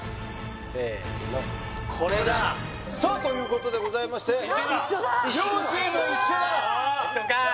せーのこれださあということでございまして・一緒だ両チーム一緒だ一緒か！